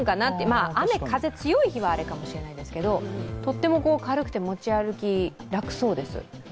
まあ、雨・風、強い日はあれかもしれないですけどとても軽くて持ち歩き、楽そうです